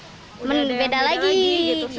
sudah ada yang beda lagi gitu